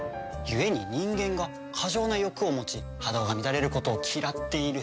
ゆえに人間が過剰な欲を持ち波動が乱れることを嫌っている。